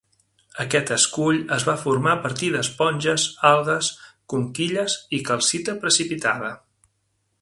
Aquest escull es va formar a partir d'esponges, algues, conquilles i calcita precipitada.